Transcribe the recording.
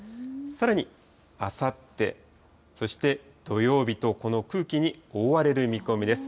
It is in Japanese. さらにあさって、そして土曜日と、この空気に覆われる見込みです。